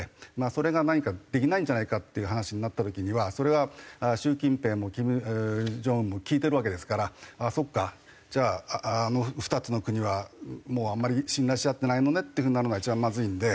それが何かできないんじゃないかっていう話になった時にはそれは習近平も金正恩も聞いてるわけですからそっかじゃああの２つの国はもうあんまり信頼し合ってないのねっていう風になるのが一番まずいんで。